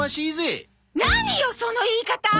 何よその言い方！